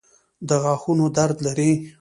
د غاښونو درد لرئ؟